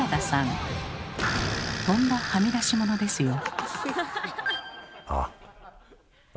とんだはみ出し者ですよ。